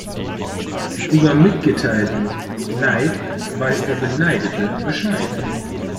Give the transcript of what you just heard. Über mitgeteilten Neid weiß der Beneidete Bescheid.